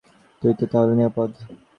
তুই তো তাহলে নিরাপদ।